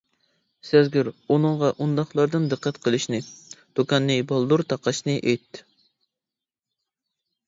سەزگۈر ئۇنىڭغا ئۇنداقلاردىن دىققەت قىلىشنى، دۇكاننى بالدۇرراق تاقاشنى ئېيتتى.